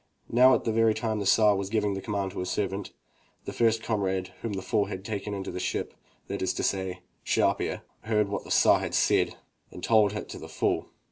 Now at the very time when the Tsar was giving this command to his servant, the first comrade whom the fool had taken into the ship (that is to say Sharp ear) heard what the Tsar said and told it to the fool.